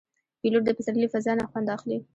پیلوټ د پسرلي له فضا نه خوند اخلي.